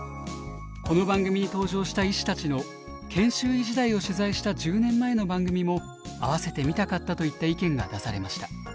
「この番組に登場した医師たちの研修医時代を取材した１０年前の番組も併せて見たかった」といった意見が出されました。